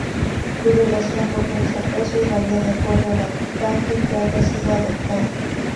Su relación potencia-peso varía de acuerdo al tanque que haya sido adaptado.